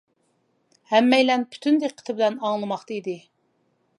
ھەممەيلەن پۈتۈن دىققىتى بىلەن ئاڭلىماقتا ئىدى.